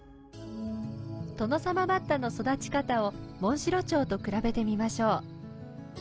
トノサマバッタの育ち方をモンシロチョウと比べてみましょう。